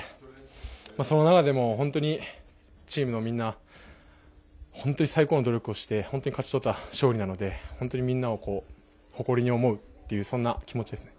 その中でもチームのみんな本当に最高の努力をして本当に勝ち取った勝利なので本当にみんなを誇りに思うというそんな気持ちですね。